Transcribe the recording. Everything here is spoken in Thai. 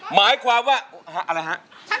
หมายความว่าอะไรฮะ